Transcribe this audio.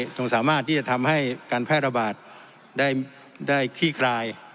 จนสามารถที่จะทำให้การแพร่ระบาดได้ขี้คลาย